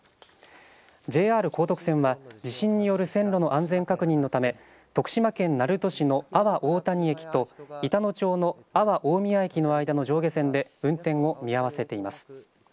ＪＲ高徳線は地震による線路の安全確認のため徳島県鳴門市の阿波大谷駅と板野町の阿波大宮駅の間の上下線で運転を見合わせています。